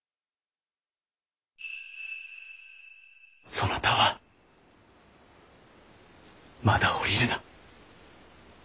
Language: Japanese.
そなたはまだ降りるな。